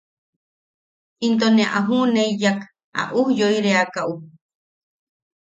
Into ne a ju’uneiyak a ujyoireaka’u.